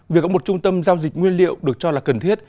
việc có một trung tâm giao dịch nguyên liệu được cho là cần thiết